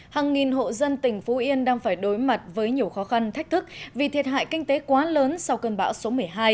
hàng nghìn hộ dân tỉnh phú yên đang phải đối mặt với nhiều khó khăn thách thức vì thiệt hại kinh tế quá lớn sau cơn bão số một mươi hai